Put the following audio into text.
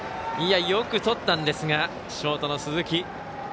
よくとったんですがショートの鈴木。